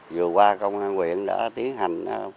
vừa qua công an huyện đã tiến hành